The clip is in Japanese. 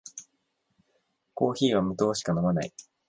コーヒーは無糖しか飲まない